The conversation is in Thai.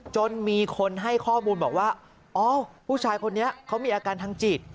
จนมีคนให้ข้อมูลบอกว่าอ๋อผู้ชายคนนี้เขามีอาการทางจิต